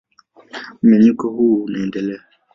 Mmenyuko huo unaendelea.